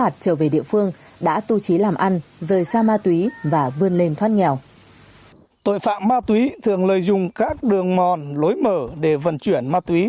tội phạm ma túy thường lợi dụng các đường mòn lối mở để vận chuyển ma túy